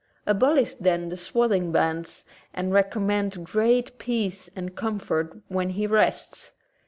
Abolish then the swathing bands and recommend great peace and comfort when he rests.